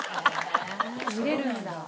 へえ見れるんだ。